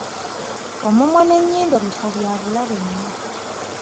Omumwa n'ennyindo bifo bya bulabe nnyo.